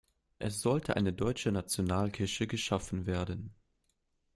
Es sollte eine deutsche Nationalkirche geschaffen werden.